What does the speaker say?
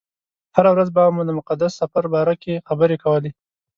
هره ورځ به مو د مقدس سفر باره کې خبرې کولې.